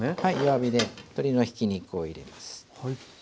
鶏のひき肉を入れます。